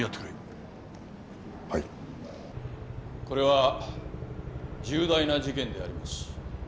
これは重大な事件であります。